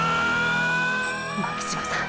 巻島さん！！